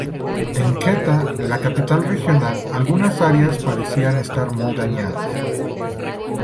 En Quetta, la capital regional, algunas áreas parecían estar muy dañadas.